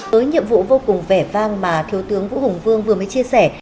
với nhiệm vụ vô cùng vẻ vang mà thiếu tướng vũ hùng vương vừa mới chia sẻ